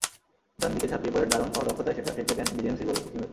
ডান দিকে ঝাঁপিয়ে পড়ে দারুণ দক্ষতায় সেটা ঠেকিয়ে দেন বিজেএমসির গোলরক্ষক হিমেল।